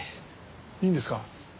いいんですか？